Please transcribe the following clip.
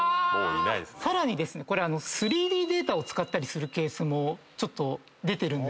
さらに３Ｄデータを使ったりするケースもちょっと出てるんですね。